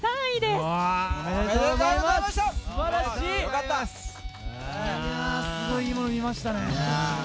すごいいいものを見ましたね。